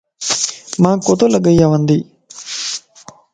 مانک ڪو تو لڳ اياوندي